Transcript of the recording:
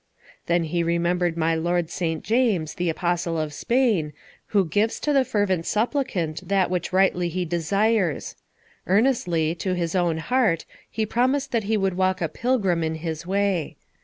Then he remembered my lord St. James, the Apostle of Spain, who gives to the fervent supplicant that which rightly he desires. Earnestly, to his own heart, he promised that he would walk a pilgrim in his way.